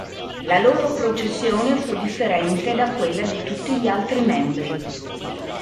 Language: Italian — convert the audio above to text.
La loro processione fu differente da quella di tutti gli altri membri.